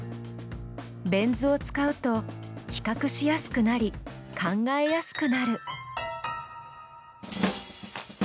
ベン図を使うと比較しやすくなり考えやすくなる。